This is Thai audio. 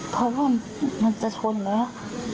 เพราะว่ามันจะชนแล้ว